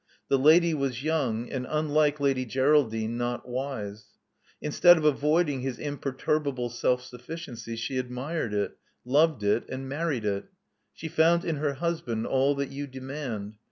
The lady was young, and, unlike Lady Geral dine, not wise. Instead of avoiding his imperturbable self sufficiency, she admired it; loved it; and married it. She found in her husband all that you demand.